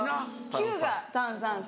９が炭酸。